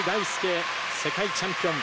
世界チャンピオン。